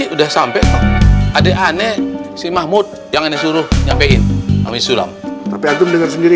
udah sampai ada aneh si mahmud yang disuruh nyampein tapi sulam tapi aku denger sendiri